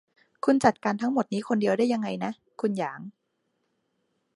คุณจัดการทุกอย่างทั้งหมดนี้คนเดียวได้ยังไงนะ คุณหยาง